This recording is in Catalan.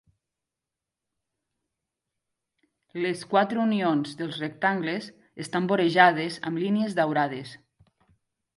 Les quatre unions dels rectangles estan vorejades amb línies daurades.